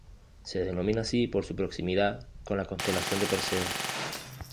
Se denomina así por su proximidad con la constelación de Perseo.